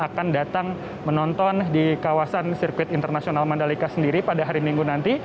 akan datang menonton di kawasan sirkuit internasional mandalika sendiri pada hari minggu nanti